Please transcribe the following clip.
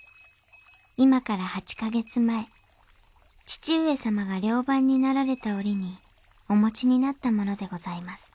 今から８か月前義父上様が寮番になられた折にお持ちになったものでございます